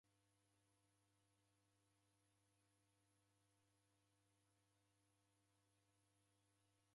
Machi gha vua ghadaingia ndoenyi